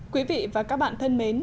quý vị và các bạn thân mến